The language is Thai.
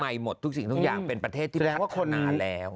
ดูใหม่หมดทุกสิ่งทุกอย่างเพราะประเทศที่พัฒนาแล้ว